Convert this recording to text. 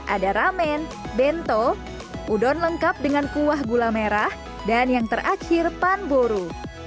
ada ramen bento udon lengkap dengan kuah gula merah dan yang terakhir panburu